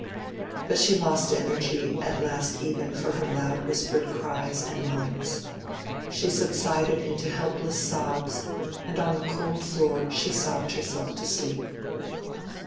But she lost energy at last even for her loud whispered cries and moans: she subsided into helpless sobs, and on the cold floor she sobbed herself to sleep.